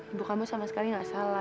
ibu kamu sama sekali nggak salah